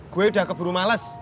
gue udah keburu males